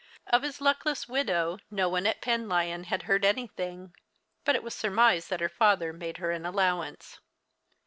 Of his luckless widow no one at Penlyon had heard anything, but it was surmised that her father made her an allowance.